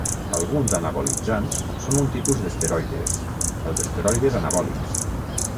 Alguns anabolitzants són un tipus d'esteroides: els esteroides anabòlics.